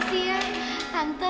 tante saskia udah mau jengok aku